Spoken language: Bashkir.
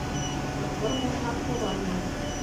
Ямғыр булһа, туҙан юҡ